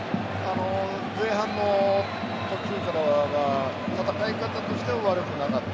前半のころから戦い方としては悪くなかった。